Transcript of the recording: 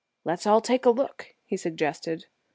"Let's all take a look," he suggested.